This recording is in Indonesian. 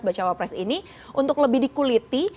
baca wapres ini untuk lebih di kuliti